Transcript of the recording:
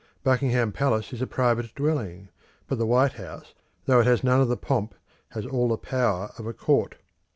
Buckingham Palace is a private dwelling; but the White House, though it has none of the pomp, has all the power of a Court.